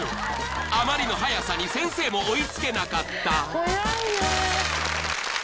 ［あまりの速さに先生も追い付けなかった］